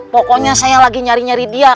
pokoknya saya lagi nyari nyari dia